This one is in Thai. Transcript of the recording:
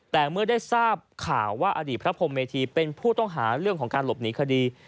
แต่เมื่อได้ทราบข่าวว่าอดีตพระพรมเมธีเป็นผู้ต้องหาเรื่องของการหลบหนีคดี